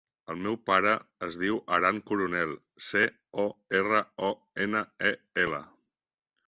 El meu pare es diu Aran Coronel: ce, o, erra, o, ena, e, ela.